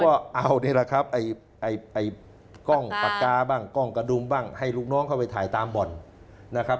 ก็เอานี่แหละครับไอ้กล้องปากกาบ้างกล้องกระดุมบ้างให้ลูกน้องเข้าไปถ่ายตามบ่อนนะครับ